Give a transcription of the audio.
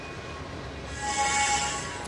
پر څه دي سترګي سرې دي ساحل نه دی لا راغلی